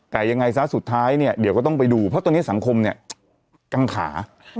แต่ยังไงสักสุดท้ายเดี๋ยวก็ต้องไปดูเพราะตอนนี้สังคมกังขา